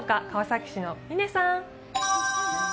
川崎市の嶺さん。